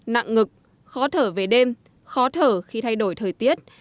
nặng ngực khó thở về đêm khó thở khi thay đổi thời tiết